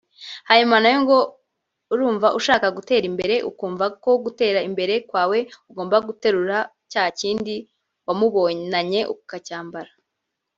hanyuma nawe ngo urumva ushaka gutera imbere ukumva ko gutera imbere kwawe ugomba guterura cya kindi wamubonanye ukacyambara